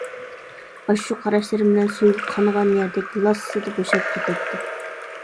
ئاشۇ قاراشلىرىم بىلەن سۈيىگە قانغان يەردەك لاسسىدە بوشاپ كېتەتتىم.